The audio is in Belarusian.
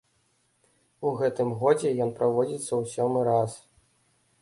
У гэтым годзе ён праводзіцца ў сёмы раз.